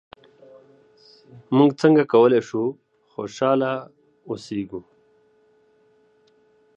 موږ څنګه کولای شو خوشحاله اوسېږو؟